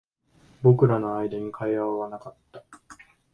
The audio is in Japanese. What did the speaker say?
僕らの間に会話はなかった